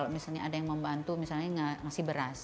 misalnya ada yang membantu misalnya ngasih beras